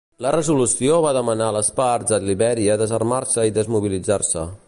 La resolució va demanar a les parts a Libèria desarmar-se i desmobilitzar-se.